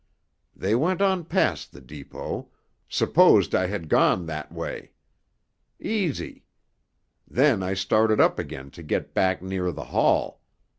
They went on past the depot—supposed I had gone that way. Easy! Then I started up again to get back near the hall.